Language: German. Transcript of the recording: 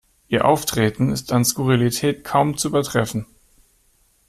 Ihr Auftreten ist an Skurrilität kaum zu übertreffen.